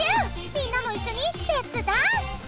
みんなも一緒にレッツダンス！